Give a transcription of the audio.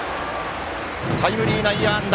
タイムリー内野安打。